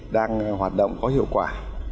đang hoạt động có hiệu quả